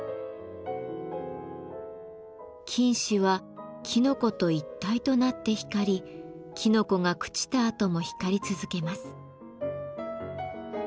菌糸はきのこと一体となって光りきのこが朽ちたあとも光り続けます。